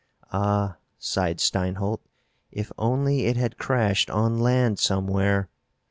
"Ah," sighed Steinholt, "if only it had crashed on land somewhere.